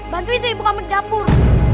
bantuin tuh ibu kamu di dapur